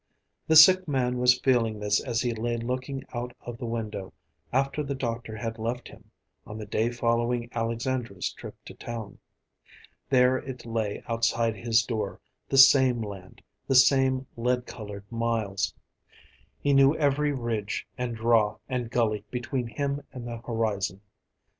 The sick man was feeling this as he lay looking out of the window, after the doctor had left him, on the day following Alexandra's trip to town. There it lay outside his door, the same land, the same lead colored miles. He knew every ridge and draw and gully between him and the horizon.